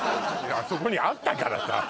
あそこにあったからさ